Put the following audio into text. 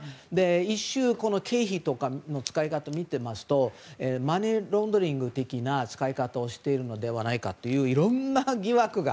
一瞬、この経費とかの使い方を見ていますとマネーロンダリング的な使い方をしているのではないかといういろんな疑惑が。